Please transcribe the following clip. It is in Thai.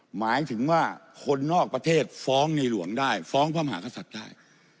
หมายถึงว่าคนนอกประเทศฟ้องในหลวงได้ฟ้องพระมหากษัตริย์ได้